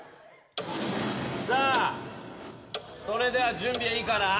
さあそれでは準備はいいかな？